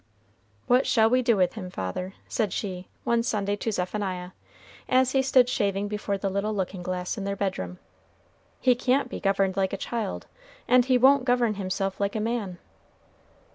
"What shall we do with him, father?" said she, one Sunday, to Zephaniah, as he stood shaving before the little looking glass in their bedroom. "He can't be governed like a child, and he won't govern himself like a man."